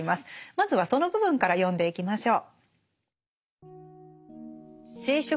まずはその部分から読んでいきましょう。